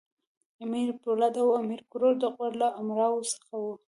امیر پولاد او امیر کروړ د غور له امراوو څخه وو.